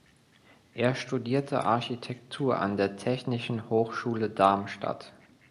Er studierte Architektur an der Technischen Hochschule Darmstadt.